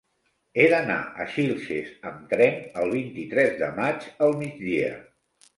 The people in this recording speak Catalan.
He d'anar a Xilxes amb tren el vint-i-tres de maig al migdia.